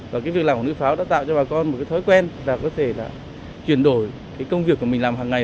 và việc làm của núi pháo đã tạo cho bà con một thói quen và có thể chuyển đổi công việc mình làm hằng ngày